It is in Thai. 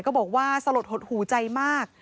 ก็บอกว่าสลดหดหูใจมาก